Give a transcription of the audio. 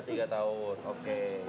udah tiga tahun oke